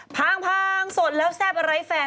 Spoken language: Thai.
พังสดแล้วแซ่บอะไรแฟน